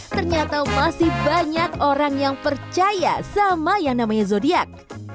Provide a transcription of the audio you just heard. ternyata masih banyak orang yang percaya sama yang namanya zodiac